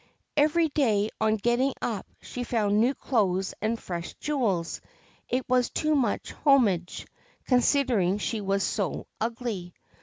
Every day on getting up she found new clothes and fresh jewels ; it was too much homage, considering she was so ugly.